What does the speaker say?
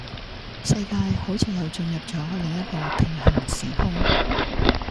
世界好似又進入左另一個平行時空